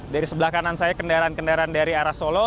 dari sebelah kanan saya kendaraan kendaraan dari arah solo